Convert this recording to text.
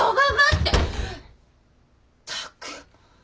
ったく。